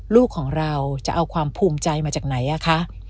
ลูกของเราจะเอาความภูมิใจมาจากไหนคะ